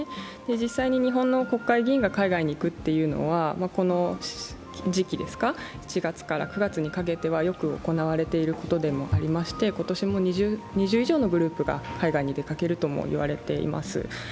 実際に日本の国会議員が海外に行くというのはこの時期ですか、７月から９月にかけてはよく行われていることでして、今年も２０以上のグループが海外に出かけるとも言われています。